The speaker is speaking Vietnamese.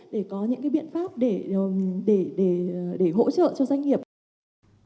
để có những cái biện pháp để hỗ trợ cho doanh nghiệp